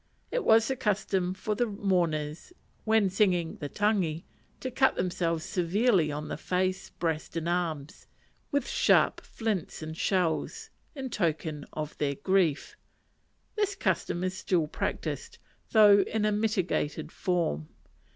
It was the custom for the mourners, when singing the tangi, to cut themselves severely on the face, breast, and arms, with sharp flints and shells, in token of their grief. This custom is still practised, though in a mitigated form.